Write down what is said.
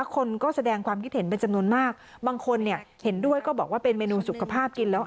คนก็แสดงความคิดเห็นเป็นจำนวนมากบางคนเนี่ยเห็นด้วยก็บอกว่าเป็นเมนูสุขภาพกินแล้ว